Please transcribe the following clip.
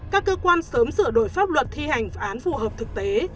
các cơ quan sớm sửa đổi pháp luật thi hành án phù hợp thực tế